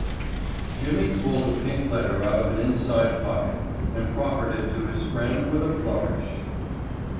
'" Jimmy pulled a pink letter out of an inside pocket and proffered it to his friend with a flourish.